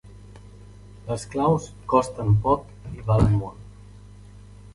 Les claus costen poc i valen molt.